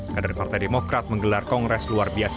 kader partai demokrat menggelar kongres luar biasa